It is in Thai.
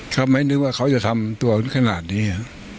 เขาไม่นึกว่าเขาจะทำตัวขนาดนี้